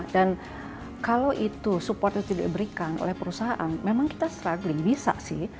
dan kalau support itu diberikan oleh perusahaan memang kita struggling bisa sih